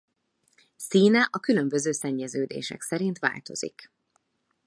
Színe a különböző szennyeződések szerint változik.